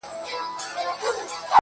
ما دي ویلي کله قبر نایاب راکه,